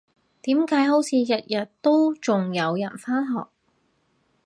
點解好似日日都仲有人返學？